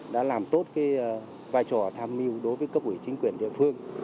đã làm tốt cái vai trò tham mưu đối với cấp ủy chính quyền địa phương